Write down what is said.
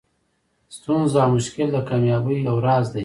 ستونزه او مشکل د کامیابۍ یو راز دئ.